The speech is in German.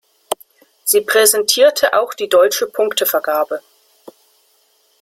Sie präsentierte auch die deutsche Punktevergabe.